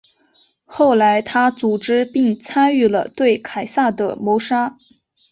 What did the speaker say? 后来他组织并参与了对凯撒的谋杀。